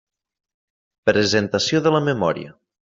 Presentació de la memòria.